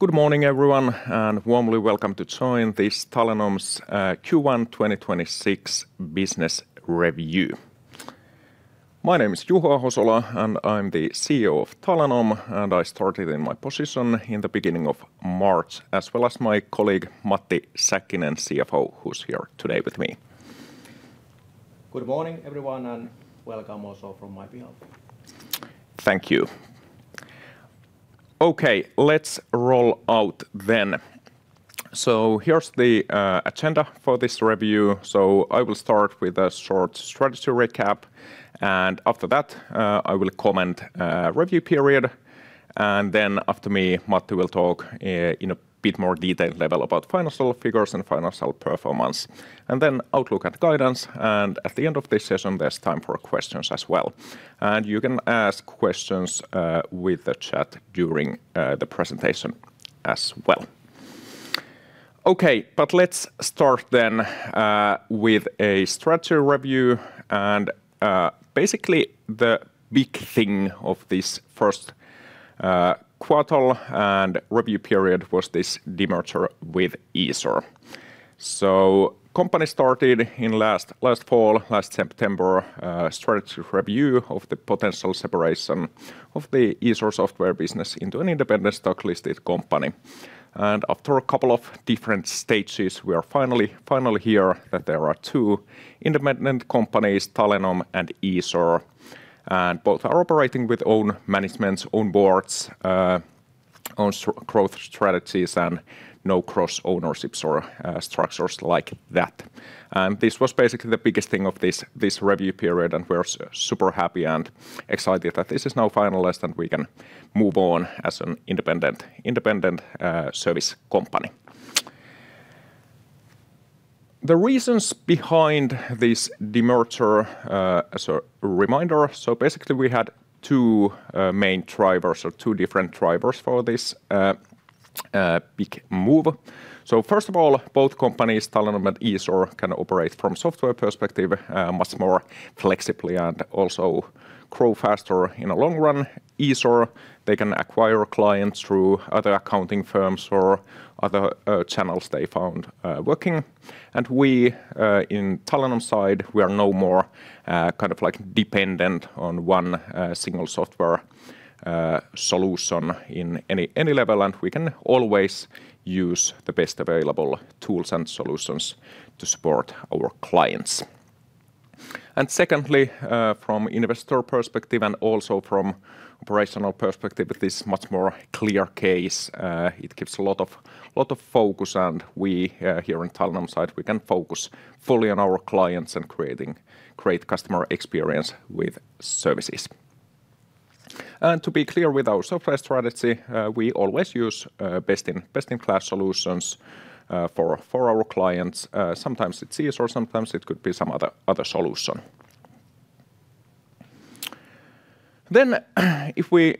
Good morning, everyone, and warmly welcome to join this Talenom's Q1 2026 Business Review. My name is Juho Ahosola, and I'm the CEO of Talenom, and I started in my position in the beginning of March, as well as my colleague Matti Säkkinen, CFO, who's here today with me. Good morning, everyone, and welcome also from my behalf. Thank you. Okay, let's roll out then. Here's the agenda for this review. I will start with a short strategy recap. After that, I will comment review period. After me, Matti will talk in a bit more detailed level about financial figures and financial performance. Outlook and guidance. At the end of this session, there's time for questions as well. You can ask questions with the chat during the presentation as well. Okay, let's start with a strategy review. Basically the big thing of this first quarter and review period was this demerger with Easor. Company started in last fall, last September, strategy review of the potential separation of the Easor software business into an independent stock listed company. After a couple of different stages, we are finally here that there are two independent companies, Talenom and Easor, and both are operating with own managements, own boards, own growth strategies and no cross-ownerships or structures like that. This was basically the biggest thing of this review period, and we're super happy and excited that this is now finalized and we can move on as an independent service company. The reasons behind this demerger, as a reminder, basically we had two main drivers or two different drivers for this big move. First of all, both companies, Talenom and Easor, can operate from software perspective much more flexibly and also grow faster in the long run. Easor, they can acquire clients through other accounting firms or other channels they found working. We in Talenom's side, we are no more kind of like dependent on one single software solution in any level, and we can always use the best available tools and solutions to support our clients. Secondly, from investor perspective and also from operational perspective, it is much more clear case. It gives a lot of focus and we here in Talenom's side, we can focus fully on our clients and creating great customer experience with services. To be clear with our software strategy, we always use best in class solutions for our clients. Sometimes it's Easor, sometimes it could be some other solution. If we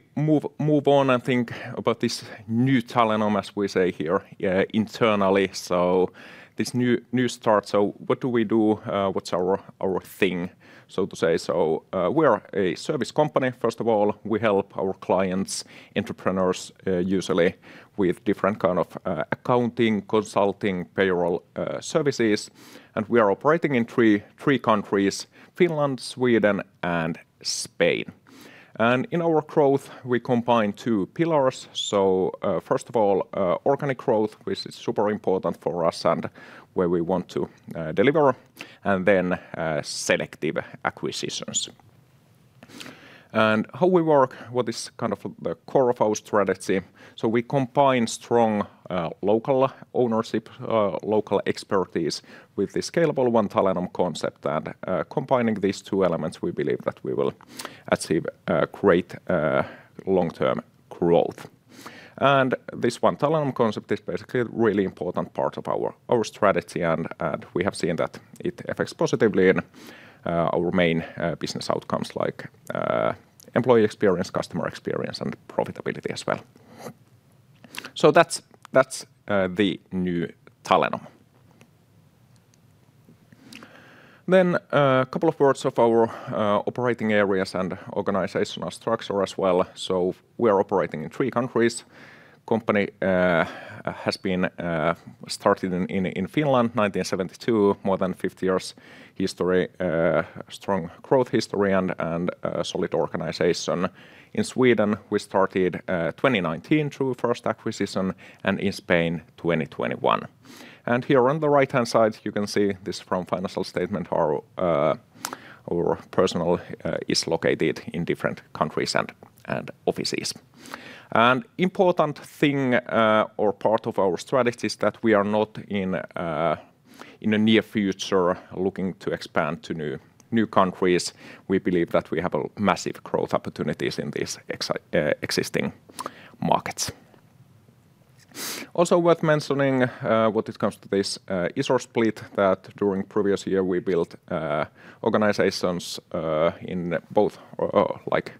move on and think about this new Talenom, as we say here, yeah, internally, so this new start. What do we do? What's our thing, so to say? We are a service company. First of all, we help our clients, entrepreneurs, usually with different kind of accounting, consulting, payroll services. We are operating in three countries, Finland, Sweden, and Spain. In our growth, we combine two pillars. First of all, organic growth, which is super important for us and where we want to deliver, selective acquisitions. How we work, what is kind of the core of our strategy. We combine strong local ownership, local expertise with the scalable ONE Talenom concept. Combining these two elements, we believe that we will achieve great long-term growth. This ONE Talenom concept is basically a really important part of our strategy. We have seen that it affects positively in our main business outcomes like employee experience, customer experience, and profitability as well. That's the new Talenom. A couple of words of our operating areas and organizational structure as well. We are operating in three countries. Company has been started in Finland, 1972, more than 50 years history, strong growth history and a solid organization. In Sweden, we started 2019 through first acquisition and in Spain 2021. Here on the right-hand side, you can see this from financial statement, our personnel is located in different countries and offices. An important thing or part of our strategy is that we are not in a near future looking to expand to new countries. We believe that we have a massive growth opportunities in these existing markets. Worth mentioning, when it comes to this Easor split that during previous year we built organizations in both, like,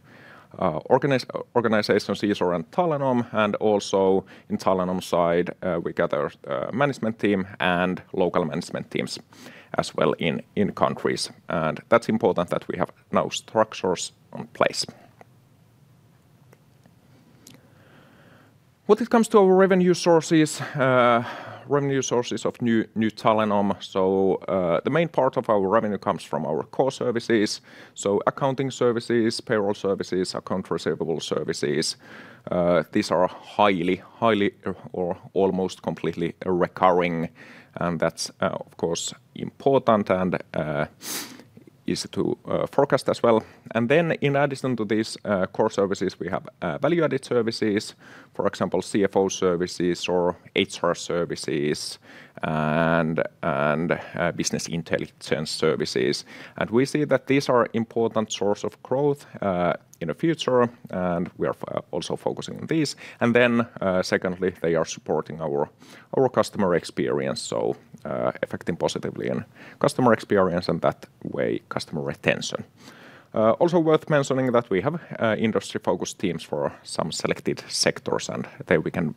organizations, Easor and Talenom, and also in Talenom's side, we gather management team and local management teams as well in countries. That's important that we have now structures in place. When it comes to our revenue sources, revenue sources of new Talenom, the main part of our revenue comes from our core services, Accounting services, Payroll services, Accounts receivable services. These are highly or almost completely recurring. That's of course, important and easy to forecast as well. In addition to these core services, we have value-added services, for example, CFO services or HR services and Business intelligence services. We see that these are important source of growth in the future, and we are also focusing on this. Secondly, they are supporting our customer experience, so affecting positively in customer experience and that way, customer retention. Also worth mentioning that we have industry-focused teams for some selected sectors, and there we can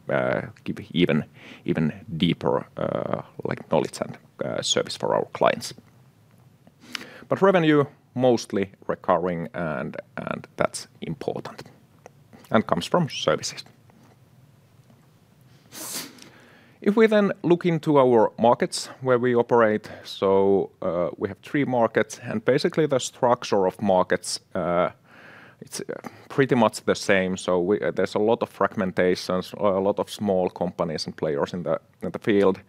give even deeper, like, knowledge and service for our clients. Revenue, mostly recurring and that's important and comes from services. If we then look into our markets where we operate, we have three markets. Basically the structure of markets, it's pretty much the same. There's a lot of fragmentations, a lot of small companies and players in the field.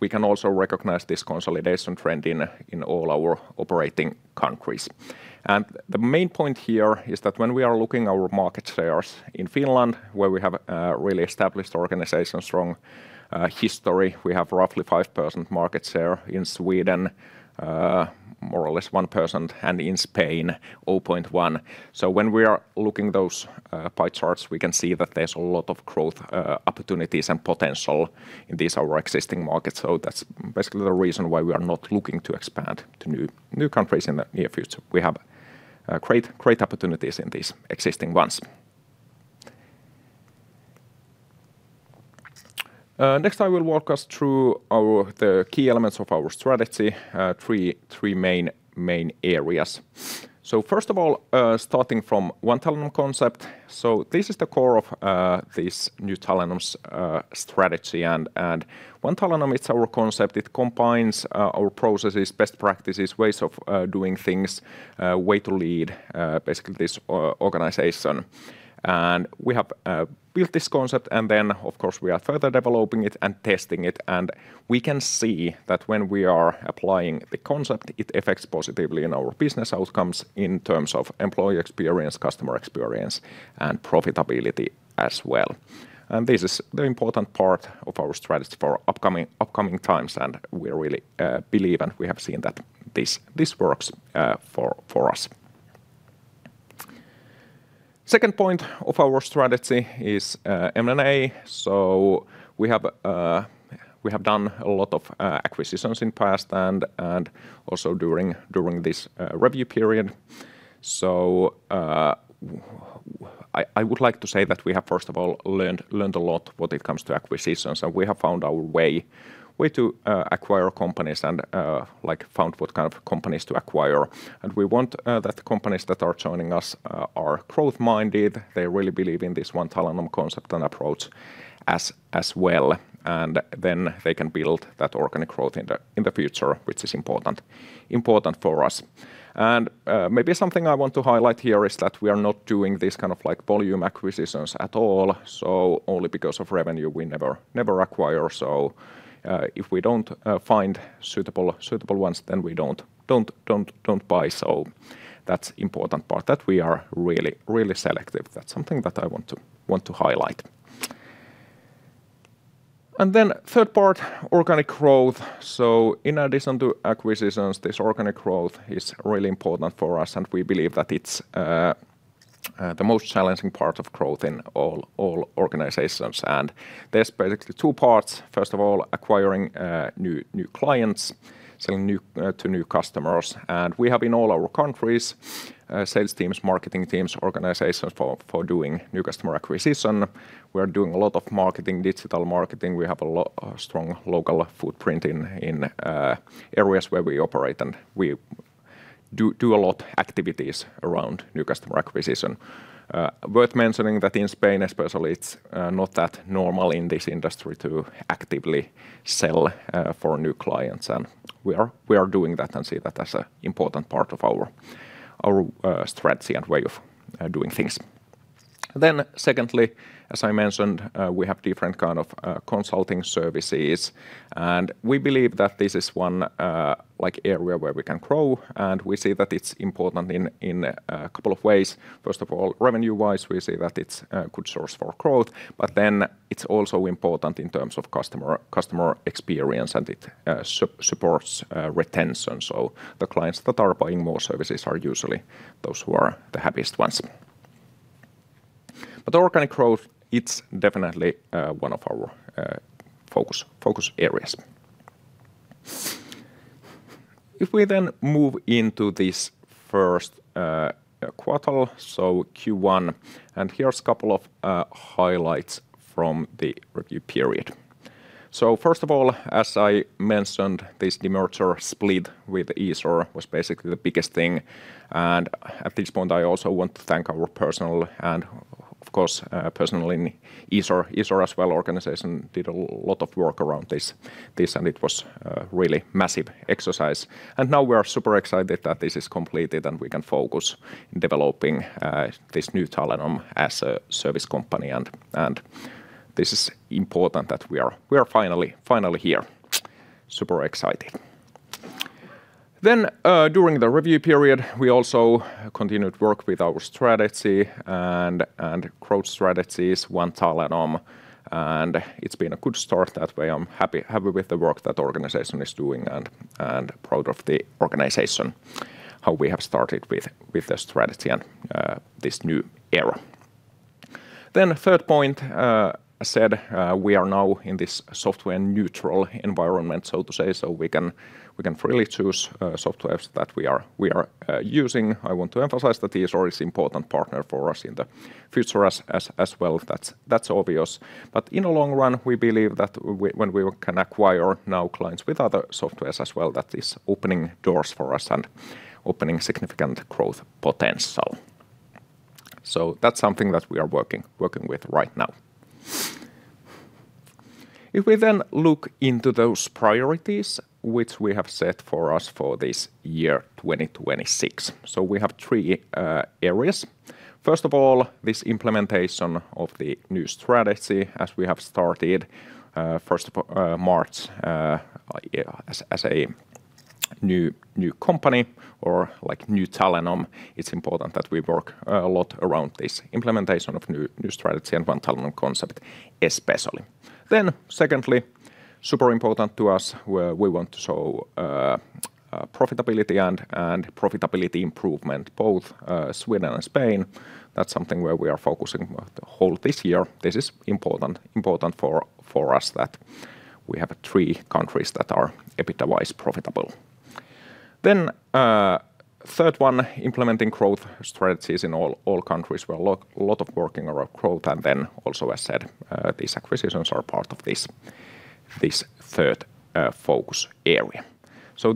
We can also recognize this consolidation trend in all our operating countries. The main point here is that when we are looking our market shares in Finland, where we have a really established organization, strong history, we have roughly 5% market share. In Sweden, more or less 1%, and in Spain, 0.1%. When we are looking those pie charts, we can see that there's a lot of growth opportunities and potential in these our existing markets. That's basically the reason why we are not looking to expand to new countries in the near future. We have great opportunities in these existing ones. Next, I will walk us through our key elements of our strategy, three main areas. First of all, starting from ONE Talenom concept. This is the core of this new Talenom's strategy. ONE Talenom, it's our concept. It combines our processes, best practices, ways of doing things, way to lead, basically this organization. We have built this concept, of course, we are further developing it and testing it. We can see that when we are applying the concept, it affects positively in our business outcomes in terms of employee experience, customer experience, and profitability as well. This is the important part of our strategy for upcoming times, we really believe, we have seen that this works for us. Second point of our strategy is M&A. We have done a lot of acquisitions in past and also during this review period. I would like to say that we have, first of all, learned a lot when it comes to acquisitions, and we have found our way to acquire companies and, like, found what kind of companies to acquire. We want that the companies that are joining us are growth-minded. They really believe in this ONE Talenom concept and approach as well. They can build that organic growth in the future, which is important for us. Maybe something I want to highlight here is that we are not doing this kind of like volume acquisitions at all. Only because of revenue we never acquire. If we don't find suitable ones, then we don't buy. That's important part, that we are really selective. That's something that I want to highlight. Third part, organic growth. In addition to acquisitions, this organic growth is really important for us, and we believe that it's the most challenging part of growth in all organizations. There's basically two parts. First of all, acquiring new clients, selling new to new customers. We have in all our countries, sales teams, marketing teams, organizations for doing new customer acquisition. We are doing a lot of marketing, digital marketing. We have a strong local footprint in areas where we operate, and we do a lot activities around new customer acquisition. Worth mentioning that in Spain especially, it's not that normal in this industry to actively sell for new clients. We are doing that and see that as a important part of our strategy and way of doing things. Secondly, as I mentioned, we have different kind of consulting services, we believe that this is one like area where we can grow. We see that it's important in a couple of ways. First of all, revenue-wise, we see that it's a good source for growth. It's also important in terms of customer experience, and it supports retention. The clients that are buying more services are usually those who are the happiest ones. Organic growth, it's definitely one of our focus areas. If we then move into this first quarter, so Q1, and here's a couple of highlights from the review period. First of all, as I mentioned, this demerger split with Easor was basically the biggest thing. At this point, I also want to thank our personnel and of course, personnel in Easor. Easor as well, organization did a lot of work around this, and it was a really massive exercise. Now we are super excited that this is completed, and we can focus in developing this new Talenom as a service company. This is important that we are finally here. Super exciting. During the review period, we also continued work with our strategy and growth strategies, ONE Talenom, and it's been a good start that way. I'm happy with the work that organization is doing and proud of the organization, how we have started with the strategy and this new era. Third point, I said, we are now in this software-neutral environment, so to say. We can freely choose softwares that we are using. I want to emphasize that Easor is important partner for us in the future as well. That's obvious. In the long run, we believe that when we can acquire now clients with other softwares as well, that is opening doors for us and opening significant growth potential. That's something that we are working with right now. If we look into those priorities which we have set for us for this year, 2026. We have three areas. First of all, this implementation of the new strategy as we have started, first of March, yeah, as a new company or like new Talenom. It's important that we work a lot around this implementation of new strategy and ONE Talenom concept especially. Secondly, super important to us where we want to show profitability and profitability improvement, both Sweden and Spain. That's something where we are focusing the whole this year. This is important for us that we have three countries that are EBITDA-wise profitable. Third, implementing growth strategies in all countries where a lot of working around growth. Also, as said, these acquisitions are part of this third focus area.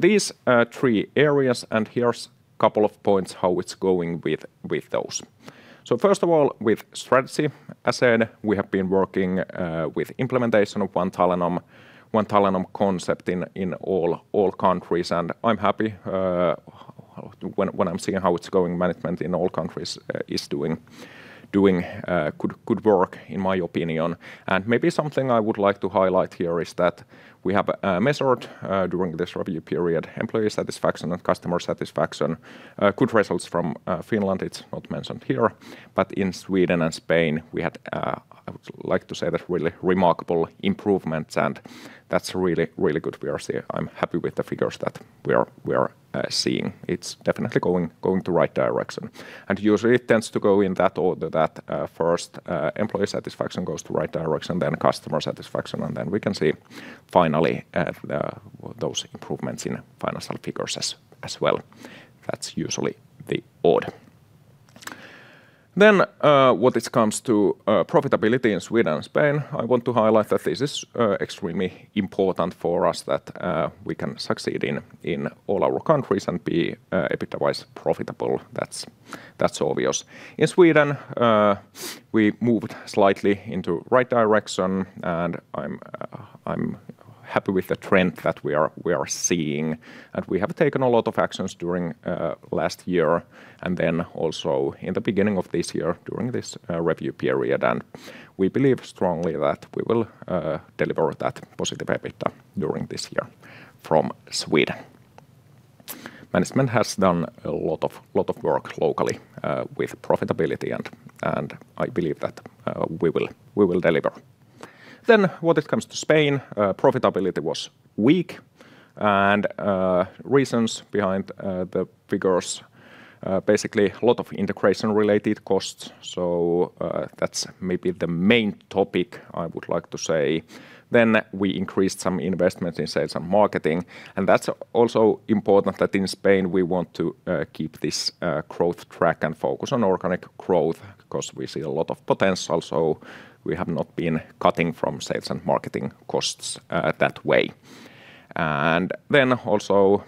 These are three areas, and here's a couple of points how it's going with those. First of all, with strategy, as said, we have been working with implementation of ONE Talenom concept in all countries. I'm happy when I'm seeing how it's going. Management in all countries is doing good work in my opinion. Maybe something I would like to highlight here is that we have measured during this review period employee satisfaction and customer satisfaction. Good results from Finland. It's not mentioned here. In Sweden and Spain, we had, I would like to say that really remarkable improvements, and that's really, really good we are seeing. I'm happy with the figures that we are seeing. It's definitely going to right direction. Usually it tends to go in that order that first employee satisfaction goes to right direction, then customer satisfaction, and then we can see finally those improvements in financial figures as well. That's usually the order. When it comes to profitability in Sweden and Spain, I want to highlight that this is extremely important for us that we can succeed in all our countries and be EBITDA-wise profitable. That's obvious. In Sweden, we moved slightly into right direction, and I'm happy with the trend that we are seeing. We have taken a lot of actions during last year and then also in the beginning of this year during this review period. We believe strongly that we will deliver that positive EBITDA during this year from Sweden. Management has done a lot of work locally with profitability and I believe that we will deliver. When it comes to Spain, profitability was weak and reasons behind the figures, basically a lot of integration-related costs. That's maybe the main topic I would like to say. We increased some investment in sales and marketing, and that's also important that in Spain we want to keep this growth track and focus on organic growth because we see a lot of potential. We have not been cutting from sales and marketing costs that way.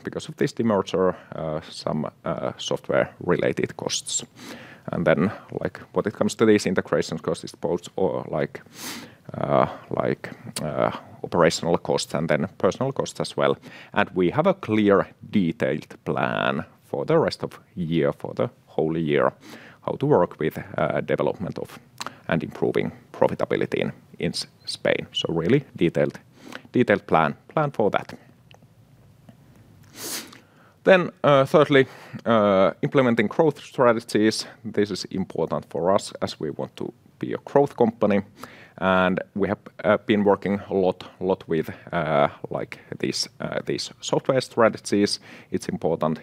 Because of this demerger, some software-related costs. Like, when it comes to these integration costs, it's both, like, operational costs and personnel costs as well. We have a clear, detailed plan for the rest of year, for the whole year, how to work with development of and improving profitability in Spain. Really detailed plan for that. Thirdly, implementing growth strategies. This is important for us as we want to be a growth company. We have been working a lot with like these software strategies. It's important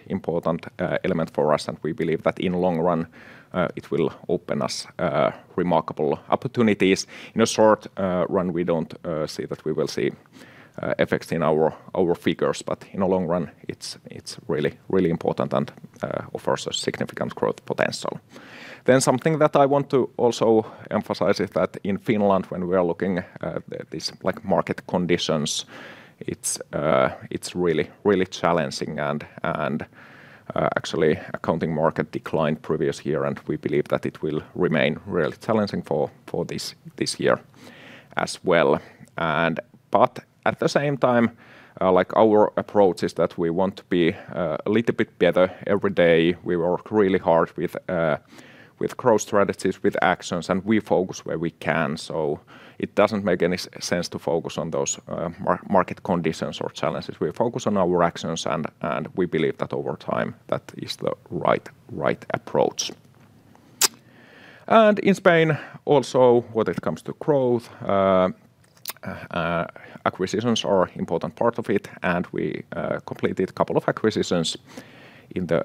element for us, and we believe that in long run, it will open us remarkable opportunities. In a short run, we don't see that we will see effects in our figures, but in the long run, it's really important and offers a significant growth potential. Something that I want to also emphasize is that in Finland when we are looking at this, like, market conditions, it's really challenging and actually accounting market declined previous year and we believe that it will remain really challenging for this year as well. At the same time, like, our approach is that we want to be a little bit better every day. We work really hard with growth strategies, with actions, and we focus where we can. It doesn't make any sense to focus on those market conditions or challenges. We focus on our actions and we believe that over time that is the right approach. In Spain also when it comes to growth, acquisitions are important part of it. We completed a couple of acquisitions in the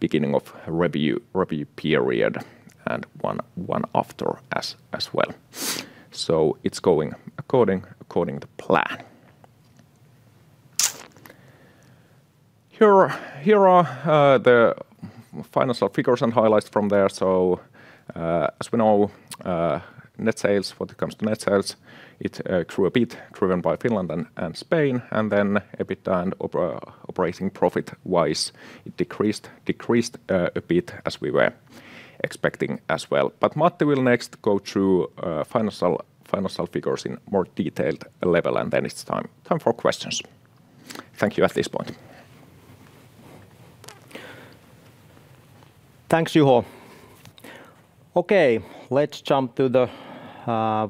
beginning of review period and one after as well. It's going according to plan. Here are the financial figures and highlights from there. As we know, net sales, when it comes to net sales, it grew a bit driven by Finland and Spain, and then EBITDA and operating profit-wise it decreased a bit as we were expecting as well. Matti will next go through financial figures in more detailed level and then it's time for questions. Thank you at this point. Thanks, Juho. Let's jump to the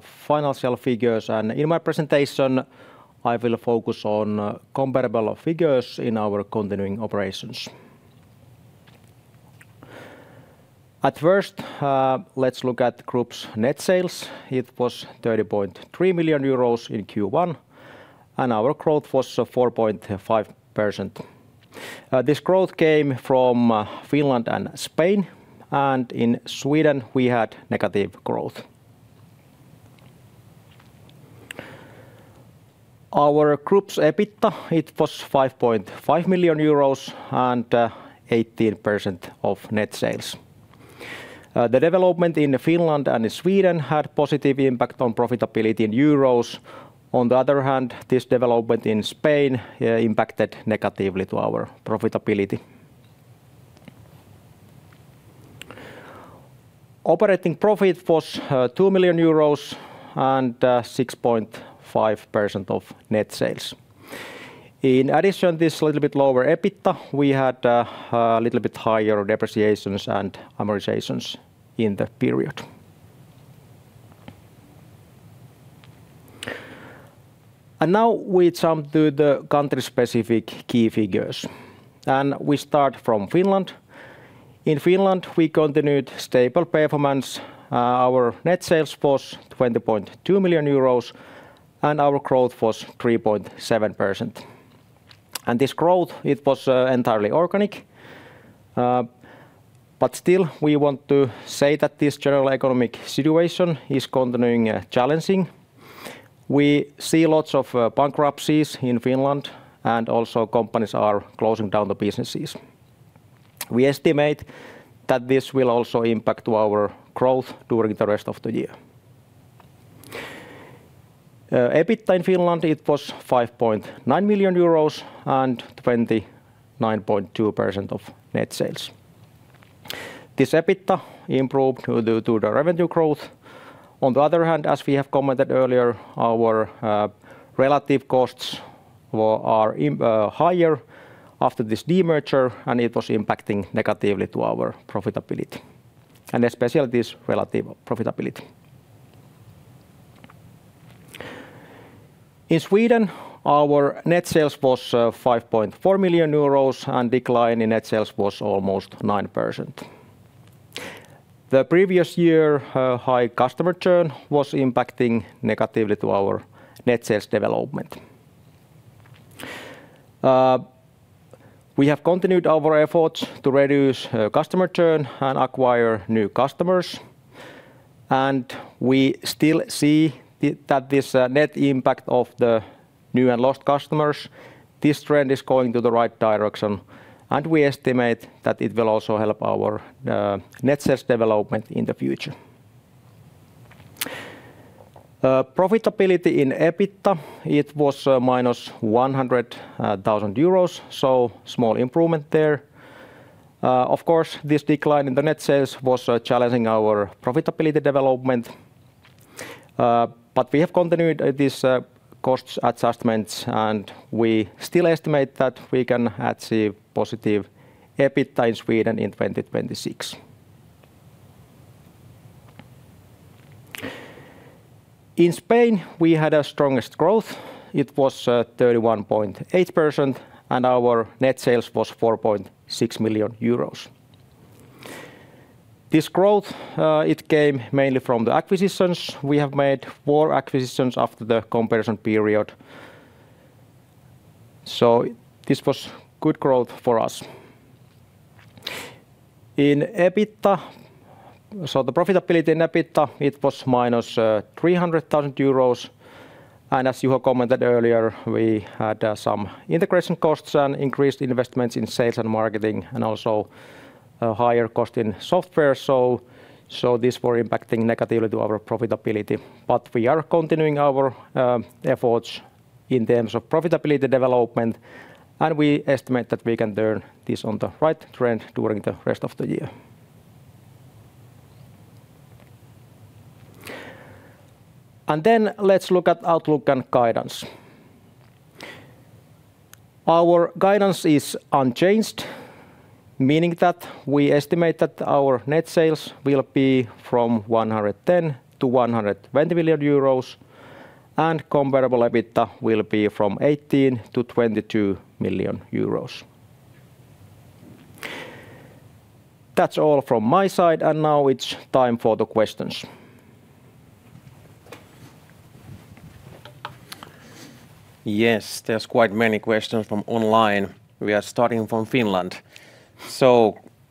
financial figures. In my presentation I will focus on comparable figures in our continuing operations. At first, let's look at the group's net sales. It was 30.3 million euros in Q1. Our growth was 4.5%. This growth came from Finland and Spain. In Sweden we had negative growth. Our group's EBITDA was 5.5 million euros, 18% of net sales. The development in Finland and in Sweden had positive impact on profitability in euros. On the other hand, this development in Spain impacted negatively to our profitability. Operating profit was 2 million euros, 6.5% of net sales. In addition, this little bit lower EBITDA, we had little bit higher depreciations and amortizations in the period. Now we jump to the country-specific key figures. We start from Finland. In Finland, we continued stable performance. Our net sales was 20.2 million euros. Our growth was 3.7%. This growth, it was entirely organic. Still, we want to say that this general economic situation is continuing challenging. We see lots of bankruptcies in Finland. Also companies are closing down the businesses. We estimate that this will also impact to our growth during the rest of the year. EBITDA in Finland, it was 5.9 million euros. 29.2% of net sales. This EBITDA improved due to the revenue growth. On the other hand, as we have commented earlier, our relative costs are higher after this demerger. It was impacting negatively to our profitability and especially this relative profitability. In Sweden, our net sales was 5.4 million euros. Decline in net sales was almost 9%. The previous year, high customer churn was impacting negatively to our net sales development. We have continued our efforts to reduce customer churn and acquire new customers, and we still see that this net impact of the new and lost customers, this trend is going to the right direction. We estimate that it will also help our net sales development in the future. Profitability in EBITDA, it was -100,000 euros, so small improvement there. Of course, this decline in the net sales was challenging our profitability development. But we have continued this costs adjustments, and we still estimate that we can achieve positive EBITDA in Sweden in 2026. In Spain, we had our strongest growth. It was 31.8% and our net sales was 4.6 million euros. This growth, it came mainly from the acquisitions. We have made four acquisitions after the comparison period. This was good growth for us. In EBITDA, so the profitability in EBITDA, it was -300,000 euros. As Juho commented earlier, we had some integration costs and increased investments in sales and marketing and also higher cost in software. These were impacting negatively to our profitability. We are continuing our efforts in terms of profitability development, and we estimate that we can turn this on the right trend during the rest of the year. Let's look at outlook and guidance. Our guidance is unchanged, meaning that we estimate that our net sales will be from 110 million-120 million euros, and comparable EBITDA will be from 18 million-22 million euros. That's all from my side, and now it's time for the questions. Yes, there's quite many questions from online. We are starting from Finland.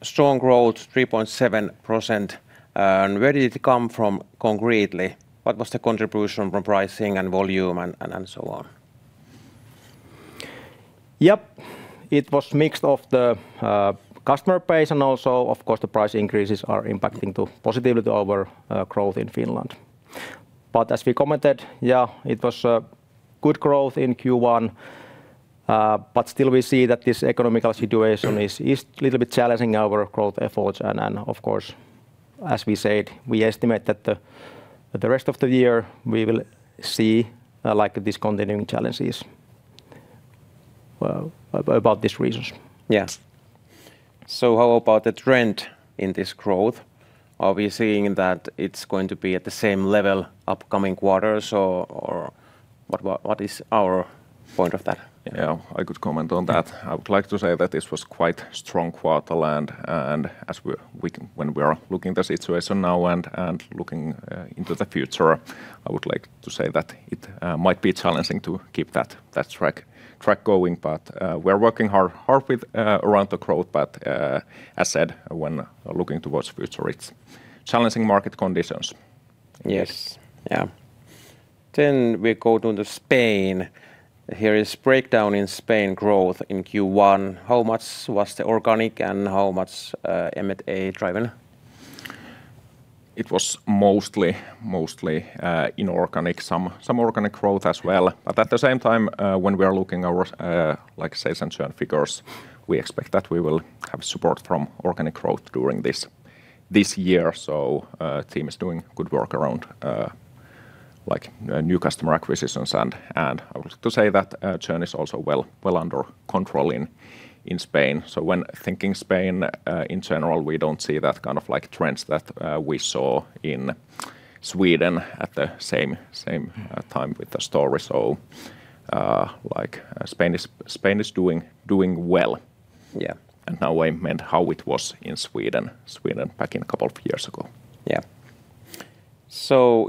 Strong growth, 3.7%, where did it come from concretely? What was the contribution from pricing and volume and so on? Yep. It was mixed of the customer base and also of course the price increases are impacting to positivity over growth in Finland. As we commented, yeah, it was good growth in Q1. Still we see that this economical situation is a little bit challenging our growth efforts. Of course, as we said, we estimate that the rest of the year we will see like these continuing challenges. Well, about these reasons. Yeah. How about the trend in this growth? Are we seeing that it's going to be at the same level upcoming quarters? What is our point of that? Yeah, I could comment on that. I would like to say that this was quite strong quarter and as we can when we are looking the situation now and looking into the future, I would like to say that it might be challenging to keep that track going. We're working hard with around the growth. As said, when looking towards future, it's challenging market conditions. Yes. Yeah. We go to Spain. Here is breakdown in Spain growth in Q1. How much was the organic and how much M&A driven? It was mostly inorganic. Some organic growth as well. At the same time, when we are looking our sales and churn figures, we expect that we will have support from organic growth during this year. Team is doing good work around new customer acquisitions. I would like to say that churn is also well under control in Spain. When thinking Spain, in general, we don't see that kind of trends that we saw in Sweden at the same time with the story. Spain is doing well. Yeah. Now I meant how it was in Sweden back in a couple of years ago.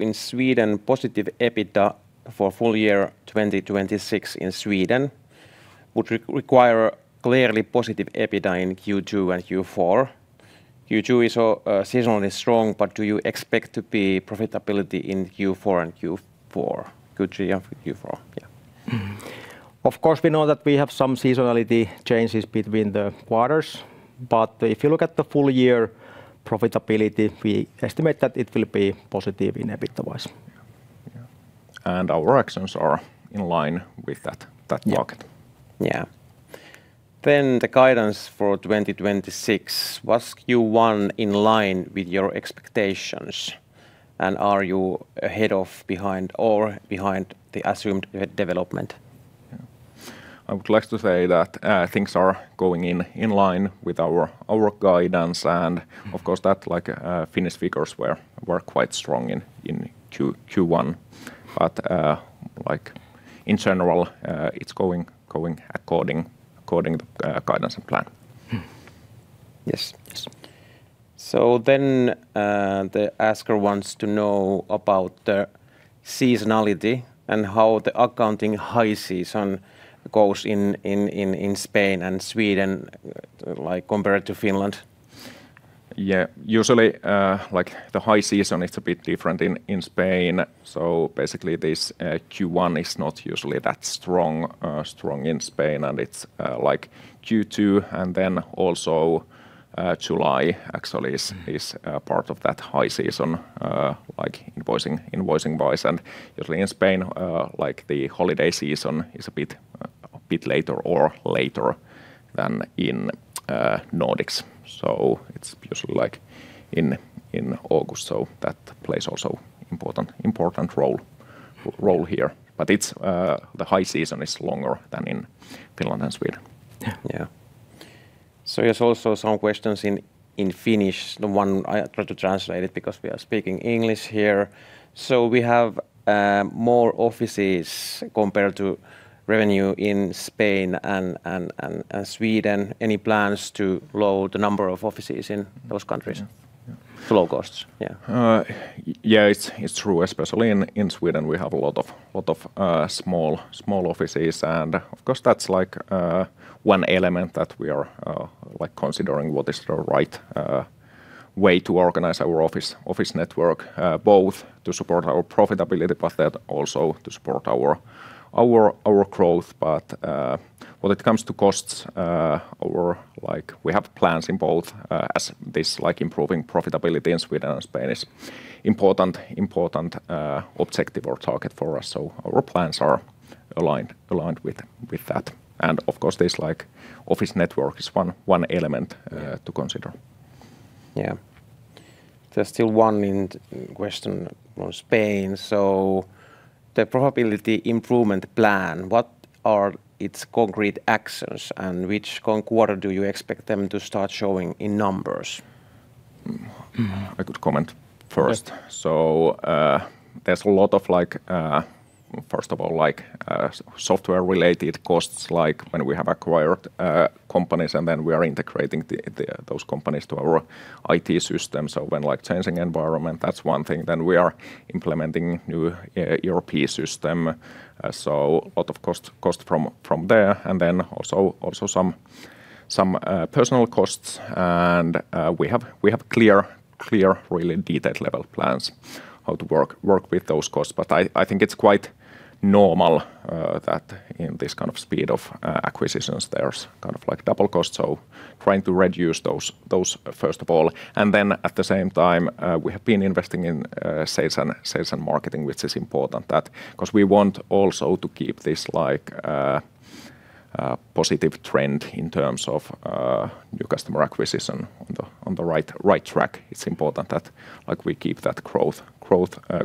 In Sweden, positive EBITDA for full year 2026 in Sweden would require clearly positive EBITDA in Q2 and Q4. Q2 is seasonally strong, but do you expect to be profitability in Q4? Q3 and Q4? Of course, we know that we have some seasonality changes between the quarters. If you look at the full year profitability, we estimate that it will be positive in EBITDA-wise. Yeah, yeah. Our actions are in line with that market. Yeah. Yeah, the guidance for 2026, was Q1 in line with your expectations, and are you ahead of or behind the assumed development? Yeah. I would like to say that things are going in line with our guidance. Of course that, like, Finnish figures were quite strong in Q1. Like, in general, it's going according to guidance and plan. Yes. Yes. The asker wants to know about the seasonality and how the accounting high season goes in Spain and Sweden, like compared to Finland. Yeah. Usually, the high season is a bit different in Spain. Basically this Q1 is not usually that strong in Spain, and it's Q2 and then also July actually is part of that high season invoicing-wise. Usually in Spain, the holiday season is a bit later or later than in Nordics, it's usually in August. That plays also important role here. It's the high season is longer than in Finland and Sweden. Yeah. Yeah. There's also some questions in Finnish. The one I try to translate it because we are speaking English here. We have more offices compared to revenue in Spain and Sweden. Any plans to lower the number of offices in those countries? Flow costs. Yeah. Yeah, it's true, especially in Sweden, we have a lot of small offices, and of course, that's like one element that we are like considering what is the right way to organize our office network, both to support our profitability, but then also to support our growth. When it comes to costs, our plans in both, as this, like improving profitability in Sweden and Spain is important objective or target for us, so our plans are aligned with that. Of course this, like office network is one element. Yeah. to consider. Yeah. There's still one in question on Spain. The profitability improvement plan, what are its concrete actions, and which quarter do you expect them to start showing in numbers? I could comment first. Yeah. There's a lot of software related costs when we have acquired companies and then we are integrating those companies to our IT system. When changing environment, that's one thing. We are implementing new ERP system, a lot of cost from there. Also some personnel costs. We have clear, really detailed level plans how to work with those costs. I think it's quite normal that in this kind of speed of acquisitions, there's kind of double cost. Trying to reduce those first of all. Then at the same time, we have been investing in sales and marketing, which is important that cause we want also to keep this like, positive trend in terms of, new customer acquisition on the right track. It's important that, like, we keep that growth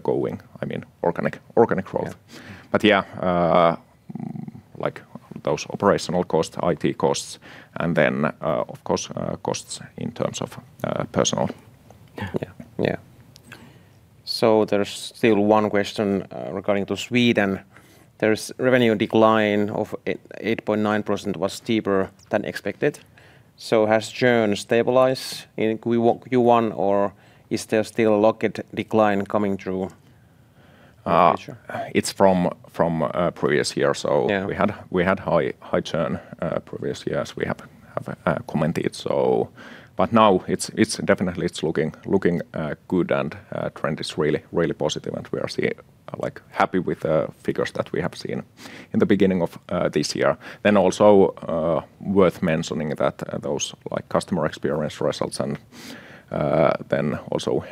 going. I mean, organic growth. Yeah. Yeah, like those operational costs, IT costs, and then, of course, costs in terms of personnel. Yeah. Yeah. There's still one question regarding to Sweden. There's revenue decline of 8.9% was deeper than expected. Has churn stabilized in Q1, or is there still a locked decline coming through? It's from previous year. Yeah. We had high churn previous years. We have commented so now it's definitely looking good, trend is really positive and we are like happy with figures that we have seen in the beginning of this year. Also worth mentioning that those like customer experience results and then also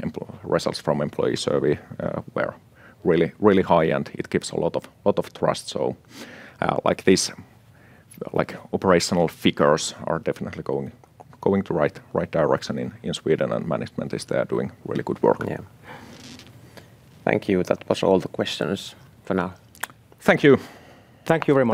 results from employee survey were really high and it gives a lot of trust. Like this, like operational figures are definitely going to right direction in Sweden and management is there doing really good work. Yeah. Thank you. That was all the questions for now. Thank you. Thank you very much